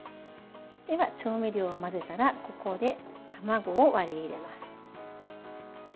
調味料を混ぜたらここで卵を割り入れます。